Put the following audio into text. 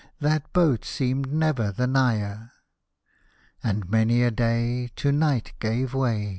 That boat seemed never the nigher. And many a day To night gave way.